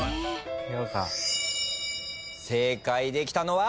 正解できたのは。